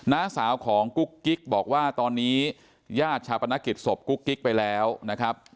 น้าสาวของกุ๊กกิ๊กบอกว่าตอนนี้ญาติชาปนกิจศพกุ๊กกิ๊กไปแล้วนะครับ